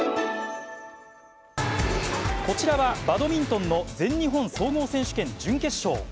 こちらはバドミントンの全日本総合選手権準決勝。